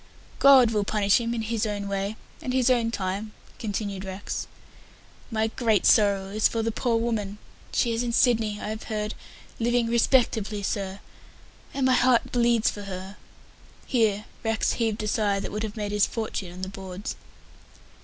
"God will punish him in His own way, and His own time," continued Rex. "My great sorrow is for the poor woman. She is in Sydney, I have heard, living respectably, sir; and my heart bleeds for her." Here Rex heaved a sigh that would have made his fortune on the boards.